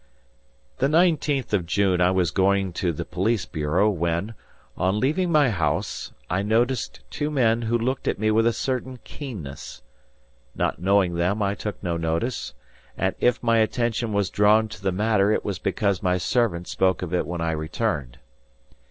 The nineteenth of June I was going to the police bureau, when, on leaving my house, I noticed two men who looked at me with a certain keenness. Not knowing them, I took no notice; and if my attention was drawn to the matter, it was because my servant spoke of it when I returned.